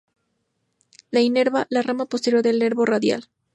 Lo inerva la rama posterior del nervio radial.